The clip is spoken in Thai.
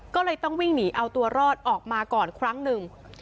ก็เลยต้องวิ่งหนีเอาตัวรอดออกมาก่อนครั้งหนึ่ง